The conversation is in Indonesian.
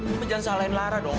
ini jangan salahin lara dong